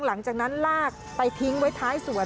หลังจากนั้นลากไปทิ้งไว้ท้ายสวน